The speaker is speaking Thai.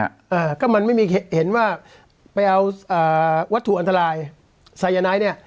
อ่าก็มันไม่มีเห็นว่าไปเอาอ่าวัตถุอันตรายไซยาไนท์เนี้ย